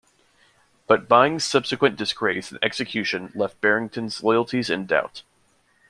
But Byng's subsequent disgrace and execution left Barrington's loyalties in doubt.